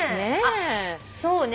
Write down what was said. そうね。